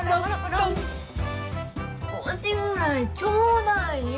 少しぐらいちょうだいよ。